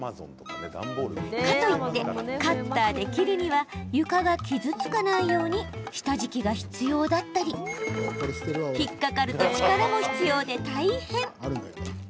かといってカッターで切るには床が傷つかないように下敷きが必要だったり引っ掛かると、力も必要で大変。